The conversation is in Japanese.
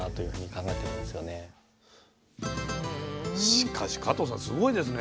しかし加藤さんすごいですね。